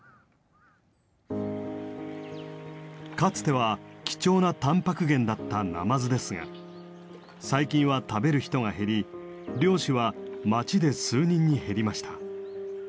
かつては貴重なタンパク源だったナマズですが最近は食べる人が減り漁師は町で数人に減りました。